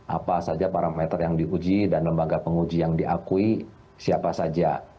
apa saja parameter yang diuji dan lembaga penguji yang diakui siapa saja